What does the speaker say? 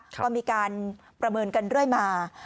ก็มีการประเมินกันด้วยมา